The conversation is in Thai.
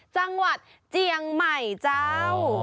จังหวัดเจียงใหม่เจ้า